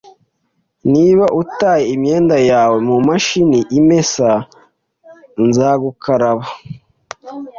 Niba utaye imyenda yawe mumashini imesa, nzagukaraba